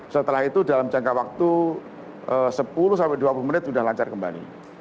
setelah itu dalam jangka waktu sepuluh sampai dua puluh menit sudah lancar kembali